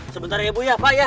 sebentar ya bu ya pak ya